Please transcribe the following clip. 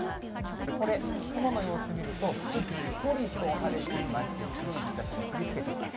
これ、雲の様子見ると、すっぽりと晴れていまして、強い日ざしが照りつけています。